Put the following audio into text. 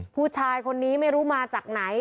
ผู้ชายคนนี้ไม่รู้มาจากไหน